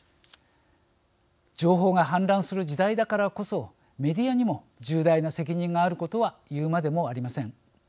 情報が氾濫する時代だからこそメディアにも重大な責任があることは言うまでもありません。